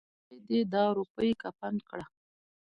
خداى دې دا روپۍ کفن کړه.